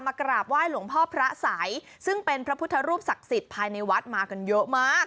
กราบไหว้หลวงพ่อพระสัยซึ่งเป็นพระพุทธรูปศักดิ์สิทธิ์ภายในวัดมากันเยอะมาก